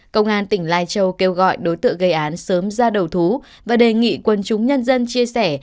công an tỉnh lai châu kêu gọi đối tượng gây án sớm ra đầu thú và đề nghị quân chúng nhân dân chia sẻ